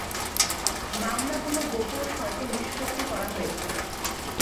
মামলাগুলো গোপন শর্তে নিষ্পত্তি করা হয়েছিল।